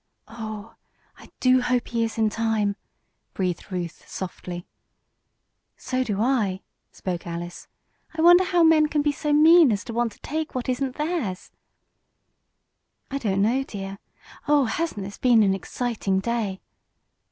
"Oh, I do hope he is in time," breathed Ruth, softly. "So do I," spoke Alice. "I wonder how men can be so mean as to want to take what isn't theirs?" "I don't know, dear. Oh, hasn't this been an exciting day?"